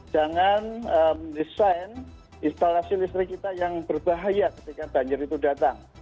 jangan mendesain instalasi listrik kita yang berbahaya ketika banjir itu datang